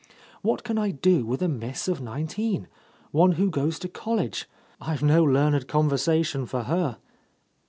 "What can I do with a miss of nineteen? one who goes to college? I've no learned conversation for her!"